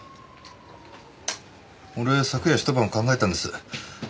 俺昨夜ひと晩考えたんです。